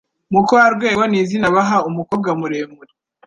mukarwego nizina baha umukobwa muremure